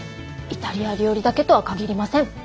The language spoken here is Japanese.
イタリア料理だけとは限りません！